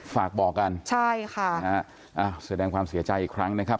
ฝากบอกกันใช่ค่ะนะฮะอ้าวแสดงความเสียใจอีกครั้งนะครับ